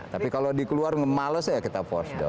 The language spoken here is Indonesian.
tapi kalau dikeluar males ya kita force down